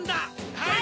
はい！